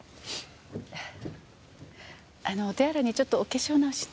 あのお手洗いにちょっとお化粧直しに。